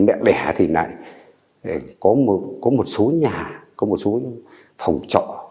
mẹ đẻ thì này có một số nhà có một số phòng trọ